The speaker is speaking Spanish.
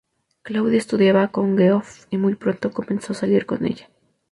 Claudia estudiaba con Geoff y muy pronto comenzó a salir con ella.